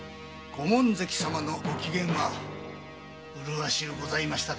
ご門跡様のご機嫌は麗しゅうございましたか？